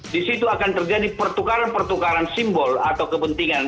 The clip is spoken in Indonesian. di situ akan terjadi pertukaran pertukaran simbol atau kepentingan